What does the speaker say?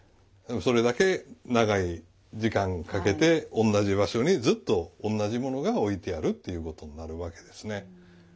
それだけ長い時間かけて同じ場所にずっと同じ物が置いてあるっていうことになるわけですね。